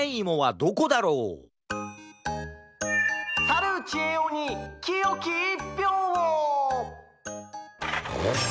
さるちえおにきよきいっぴょうを！